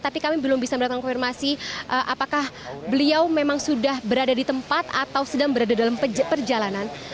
tapi kami belum bisa mendapatkan konfirmasi apakah beliau memang sudah berada di tempat atau sedang berada dalam perjalanan